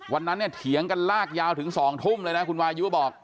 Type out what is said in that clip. วันนั้นเนี่ยเถียงกันลากยาวถึง๒ทุ่มเลยนะคุณวายุบอก